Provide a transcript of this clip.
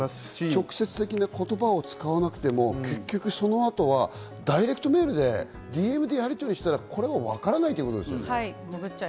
直接的な言葉を使わなくても、結局その後はダイレクトメールで、ＤＭでやりとりできたら、これはわからないということですよね。